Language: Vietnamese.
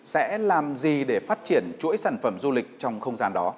sẽ làm gì để phát triển chuỗi sản phẩm du lịch trong không gian đó